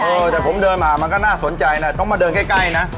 เออแต่ผมเดินมามันก็น่าสนใจนะต้องมาเดินใกล้นะ